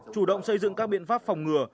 chủ động xây dựng các biện pháp phòng ngừa